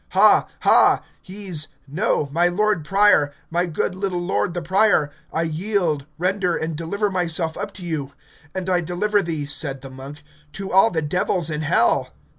Ha, ha, hes, no, my lord prior, my good little lord the prior, I yield, render and deliver myself up to you. And I deliver thee, said the monk, to all the devils in hell.